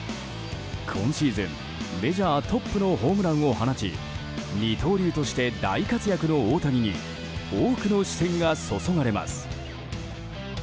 今シーズン、メジャートップのホームランを放ち二刀流として大活躍の大谷に多くの視線が注がれます。